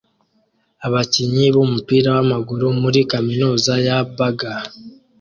Abakinnyi b'umupira w'amaguru muri kaminuza ya Baga